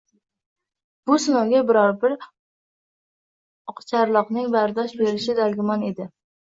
— bu sinovga biror-bir oqcharloqning bardosh berishi dargumon edi.